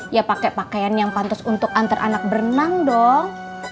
ya pakai pakaian yang pantas untuk antar anak berenang dong